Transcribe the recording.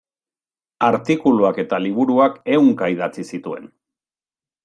Artikuluak eta liburuak ehunka idatzi zituen.